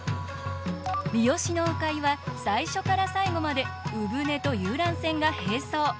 三次の鵜飼は最初から最後まで鵜舟と遊覧船が並走。